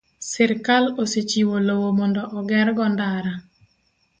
sirkal osechiwo lowo mondo ogergo ndara.